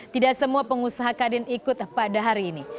tidak semua pengusaha kadin ikut pada hari ini